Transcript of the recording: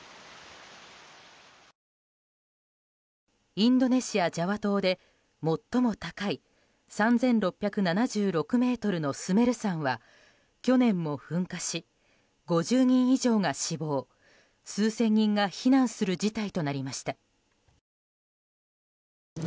インドネシア・ジャワ島で最も高い３６７６ｍのスメル山は去年も噴火し５０人以上が死亡、数千人が避難する事態となりました。